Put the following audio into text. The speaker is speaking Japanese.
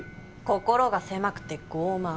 心が狭くて傲慢。